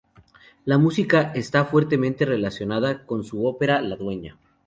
La música está fuertemente relacionada con su ópera La dueña.